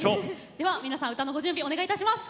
では皆さん歌のご準備お願いいたします！